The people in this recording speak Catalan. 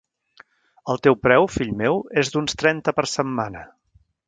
El teu preu, fill meu, és d'uns trenta per setmana.